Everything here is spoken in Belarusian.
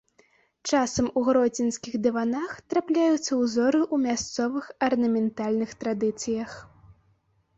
Часам у гродзенскіх дыванах трапляюцца ўзоры ў мясцовых арнаментальных традыцыях.